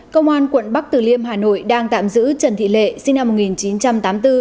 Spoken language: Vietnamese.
công an quận bắc từ liêm hà nội đang tạm giữ trần thị lệ sinh năm một nghìn chín trăm tám mươi bốn